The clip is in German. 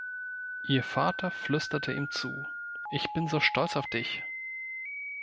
Ihr Vater flüsterte ihm zu: „Ich bin so stolz auf dich!“